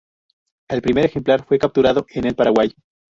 El primer ejemplar fue capturado en el Paraguay.